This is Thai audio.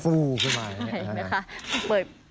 อ๋อฟูขึ้นมาอย่างนี้นะคะ